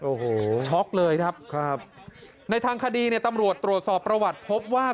โอ้โหช็อกเลยครับครับในทางคดีเนี่ยตำรวจตรวจสอบประวัติพบว่า